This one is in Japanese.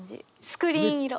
スクリーン色。